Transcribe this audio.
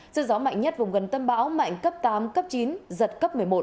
sự gió mạnh nhất vùng gần tâm báo mạnh cấp tám cấp chín giật cấp một mươi một